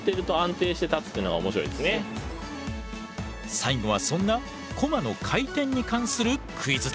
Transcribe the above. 最後はそんなコマの回転に関するクイズだ。